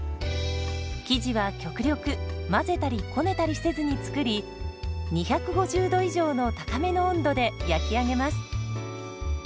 生地は極力混ぜたりこねたりせずに作り２５０度以上の高めの温度で焼き上げます。